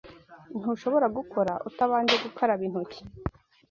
Ntushobora gukora utabanje gukaraba intoki